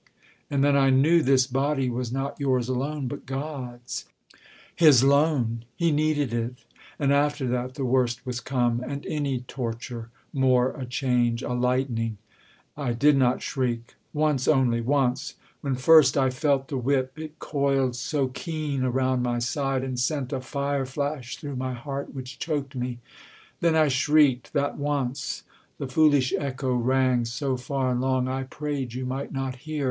And then I knew This body was not yours alone, but God's His loan He needed it: and after that The worst was come, and any torture more A change a lightening; and I did not shriek Once only once, when first I felt the whip It coiled so keen around my side, and sent A fire flash through my heart which choked me then I shrieked that once. The foolish echo rang So far and long I prayed you might not hear.